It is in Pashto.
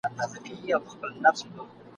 چی را یادي می ساده ورځی زلمۍ سي ..